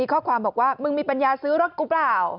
ข้อความบอกว่ามึงมีปัญญาซื้อรถกูเปล่า